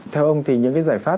theo ông thì những giải pháp